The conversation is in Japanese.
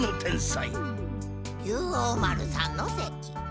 竜王丸さんの席。